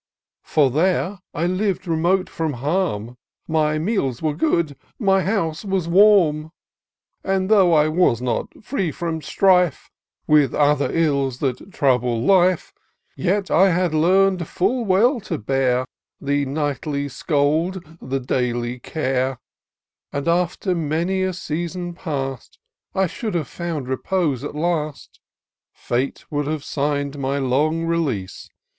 19 For there I liv'd, remote from harm ; My meals were good, my house was warm ; And, though I was not free from strife, With other ills that trouble life, Yet I had leam'd full well to bear The nightly scold, the daily care ; And, after many a season past, I should have found repose at last : Fate would have sign'd my long release.